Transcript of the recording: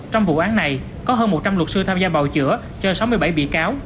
trong vụ án này có hơn một trăm linh luật sư tham gia bào chữa cho sáu mươi bảy bị cáo